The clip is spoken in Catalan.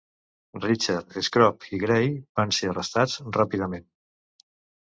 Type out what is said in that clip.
Richard, Scrope i Grey van ser arrestats ràpidament.